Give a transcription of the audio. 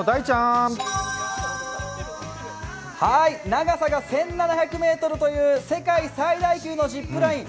長さが１７００ｍという世界最大級のジップライン。